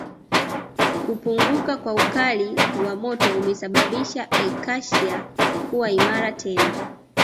kupunguka kwa ukali wa moto umesababisha Acacia kuwa imara tena